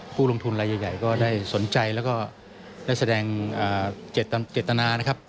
ผู้ลงทุนรายใหญ่ก็ได้สนใจแล้วก็ได้แสดงเจตนานะครับ